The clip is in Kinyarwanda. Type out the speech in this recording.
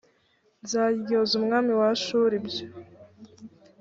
nzaryoza umwami wa ashuri ibyo